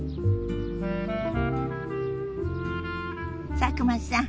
佐久間さん